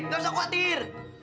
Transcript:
gak usah khawatir